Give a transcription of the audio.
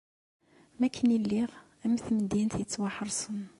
Mi akken i lliɣ am temdint yettwaḥerṣen.